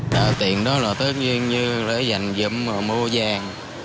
nợ tiền đó là tất nhiên như lấy dành dụng mà mua vàng